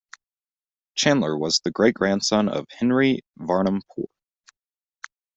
Chandler was the great-grandson of Henry Varnum Poor.